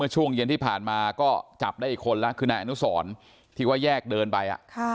ช่วงเย็นที่ผ่านมาจับได้๒คนแล้วว่าในอนุสรตร์ที่แยกเดินไป